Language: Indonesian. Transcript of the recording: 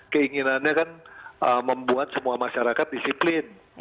keinginannya kan membuat semua masyarakat disiplin